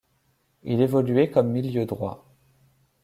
Il évoluait comme milieu droit.